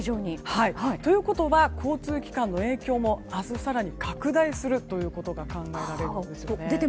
ということは交通機関の影響も明日は更に拡大することが考えられるんですね。